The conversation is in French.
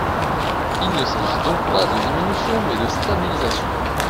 Il ne s’agit donc pas de diminution mais de stabilisation.